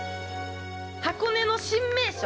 ◆箱根の新名所！？